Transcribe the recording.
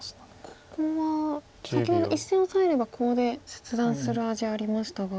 ここは先ほど１線オサえればコウで切断する味ありましたが。